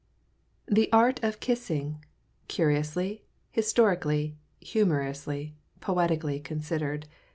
THE ART OF KISSING. CURIOUSLY, HISTORICALLY, HUMOROUSLY, POETICALLY CONSIDERED.